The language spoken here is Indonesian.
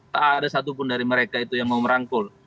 tak ada satupun dari mereka itu yang mau merangkul